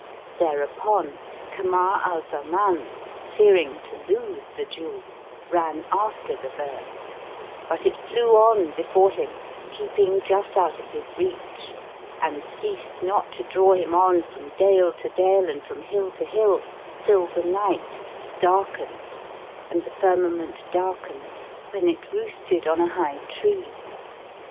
There upon Kamar al Zaman fearing to lose the jewel, ran after the bird; but it flew on before him, keeping just out of his reach, and ceased not to draw him on from dale to dale and from hill to hill, till the night starkened and the firmament darkened, when it roosted on a high tree.